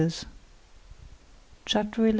CHAPTER XI.